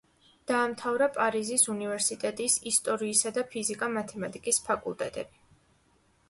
დაამთავრა პარიზის უნივერსიტეტის ისტორიისა და ფიზიკა-მათემატიკის ფაკულტეტები.